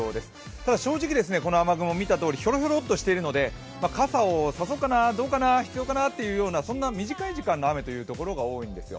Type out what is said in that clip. ただ、正直、この雨雲は見たとおりひょろひょろとしているので、傘を差そうかなどうかな、必要かなそんな短い時間の雨が多いんですよ。